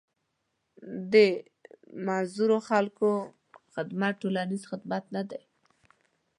د معذورو خلکو خدمت ټولنيز خدمت نه دی.